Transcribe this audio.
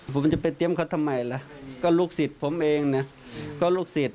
ผมจะไปเตรียมเขาทำไมล่ะก็ลูกศิษย์ผมเองนะก็ลูกศิษย